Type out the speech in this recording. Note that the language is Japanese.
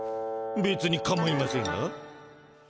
べつにかまいませんが。